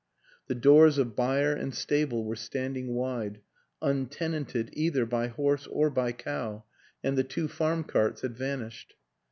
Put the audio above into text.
... The doors of byre and stable were standing wide, un tenanted either by horse or by cow, and the two farm carts had vanished.